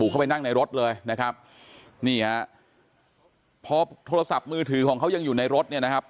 เข้าไปนั่งในรถเลยนะครับนี่ฮะพอโทรศัพท์มือถือของเขายังอยู่ในรถเนี่ยนะครับ